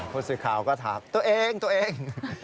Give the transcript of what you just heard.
คนสุดขาวก็ถาดตัวเองตัวเอง